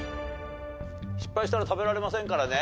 失敗したら食べられませんからね。